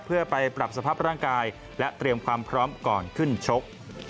เพื่อไปปรับสภาพร่างกายและเตรียมความพร้อมก่อนขึ้นชก